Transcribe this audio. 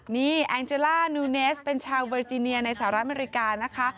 นี่แองเจล่านูเนสเป็นชาวเรจิเนียในสหรัฐอเมริกานะคะ